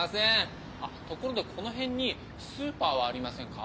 ところでこの辺にスーパーはありませんか？